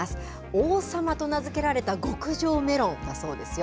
王様と名付けられた極上メロンだそうですよ。